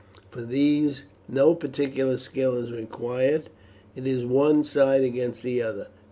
For these no particular skill is required; it is one side against the other.